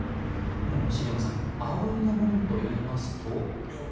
でも、茂山さん葵の紋といいますと？